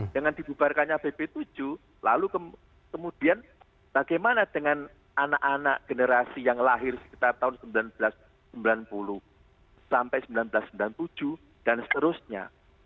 dengan dibubarkannya bp tujuh lalu kemudian bagaimana dengan anak anak generasi yang lahir sekitar tahun seribu sembilan ratus sembilan puluh sampai seribu sembilan ratus sembilan puluh tujuh dan seterusnya